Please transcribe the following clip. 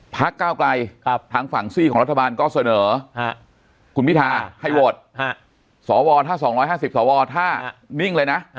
ก้าวไกลทางฝั่งซี่ของรัฐบาลก็เสนอคุณพิทาให้โหวตสวถ้า๒๕๐สวถ้านิ่งเลยนะ